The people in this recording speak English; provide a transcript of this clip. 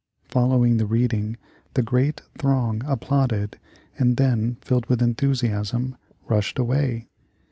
Following the reading the great throng applauded and then, filled with enthusiasm, rushed away.